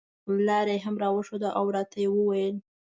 لاره یې هم راښوده او راته یې وویل.